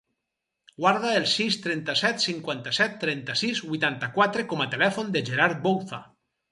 Guarda el sis, trenta-set, cinquanta-set, trenta-sis, vuitanta-quatre com a telèfon del Gerard Bouza.